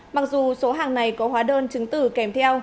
mặc dù số hàng này có hóa đơn chứng tử kèm theo